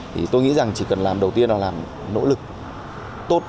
thì tôi nghĩ rằng chỉ cần làm đầu tiên là làm nỗ lực tốt